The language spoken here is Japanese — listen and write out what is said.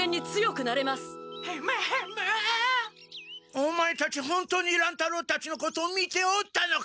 オマエたち本当に乱太郎たちのことを見ておったのか？